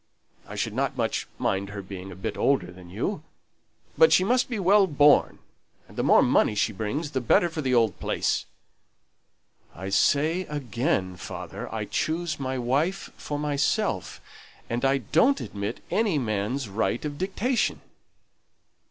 I shouldn't much mind her being a bit older than you, but she must be well born, and the more money she brings the better for the old place." "I say again, father, I choose my wife for myself, and I don't admit any man's right of dictation."